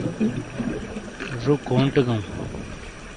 زو کونٹے گَؤں؟